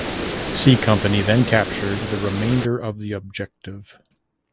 C Company then captured the remainder of the objective.